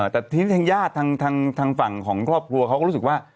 แต่ทีนี้ทางญาติทางฝั่งของครอบครัวเขาก็รู้สึกว่า